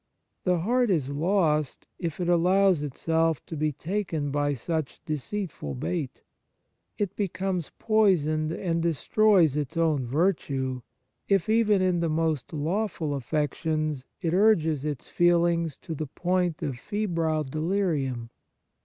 The heart is lost, if it allows itself to be taken by such deceitful bait. It becomes poisoned and destroys its own virtue, if, even in the most lawful affections, it urges its feelings to the point of febrile delirium.